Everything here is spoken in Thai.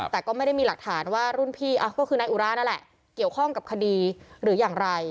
แต่ก็ไม่ได้มีหลักฐานว่ารุ่นพี่ก็คือนายอุรานั่นแหละเกี่ยวข้องกับคดีหรืออย่างไร